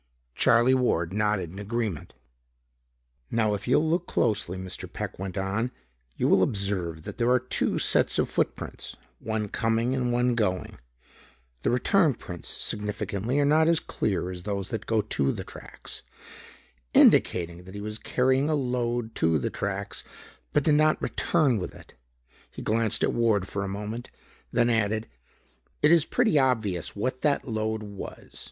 Charlie Ward nodded agreement. "Now if you'll look closely," Mr. Peck went on, "you will observe that there are two sets of foot prints; one coming and one going. The return prints, significantly, are not as clear as those that go to the tracks, indicating that he was carrying a load to the tracks, but did not return with it." He glanced at Ward for a moment, then added, "It is pretty obvious what that load was.